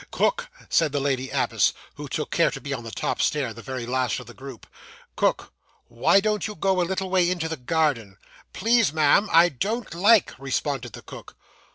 'Cook,' said the lady abbess, who took care to be on the top stair, the very last of the group 'cook, why don't you go a little way into the garden?' Please, ma'am, I don't like,' responded the cook.